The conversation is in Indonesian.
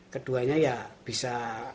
keduanya ya bisa